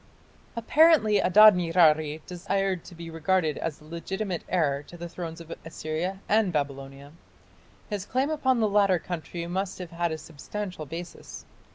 Apparently Adad nirari desired to be regarded as the legitimate heir to the thrones of Assyria and Babylonia. His claim upon the latter country must have had a substantial basis.